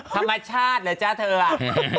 ธรรมชาติเหรอจ๊ะเธออ่ะ